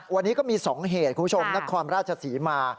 วันนี้ก็มี๒เหตุคุณผู้ชมนครราชศรีมา